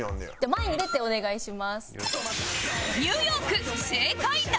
前に出てお願いします。